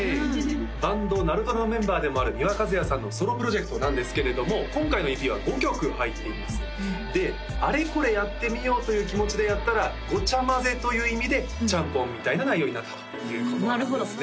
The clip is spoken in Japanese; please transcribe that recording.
バンド鳴ル銅鑼のメンバーでもある三輪和也さんのソロプロジェクトなんですけれども今回のＥＰは５曲入っていますであれこれやってみようという気持ちでやったら「ごちゃ混ぜ」という意味でちゃんぽんみたいな内容になったということなんですね